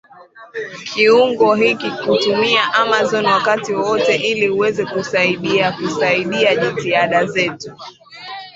kiungo hiki kutumia Amazon wakati wowote ili uweze kusaidia kusaidia jitihada zetu